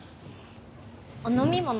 お飲み物は？